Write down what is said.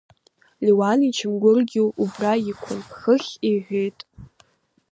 Леуан ичамгәыргьы убра иқәын хыхь, — иҳәеит.